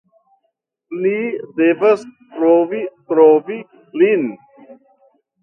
Ni devas provi trovi lin?